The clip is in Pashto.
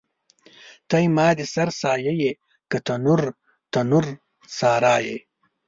ته زما د سر سایه یې که تنور، تنور سارا یې